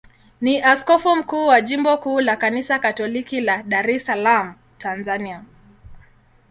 ni askofu mkuu wa jimbo kuu la Kanisa Katoliki la Dar es Salaam, Tanzania.